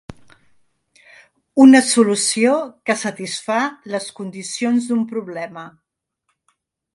Una solució que satisfà les condicions d'un problema.